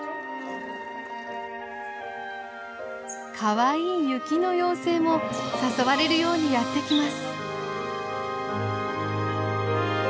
かわいい雪の妖精も誘われるようにやって来ます。